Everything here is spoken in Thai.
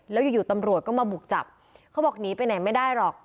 แล้วอยู่อยู่ตำรวจก็มาบุกจับเขาบอกหนีไปไหนไม่ได้หรอก